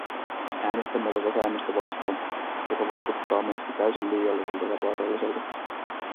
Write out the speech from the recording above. Äänestämme tätä säännöstä vastaan, joka vaikuttaa meistä täysin liialliselta ja vaaralliselta.